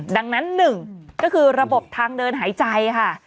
ดังนั้นหนึ่งก็คือระบบทางเดินหายใจค่ะ